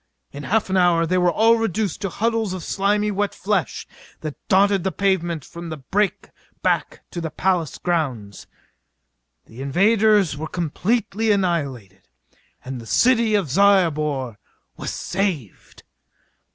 In half an hour they were all reduced to huddles of slimy wet flesh that dotted the pavement from the break back to the palace grounds. The invaders were completely annihilated and the city of Zyobor was saved!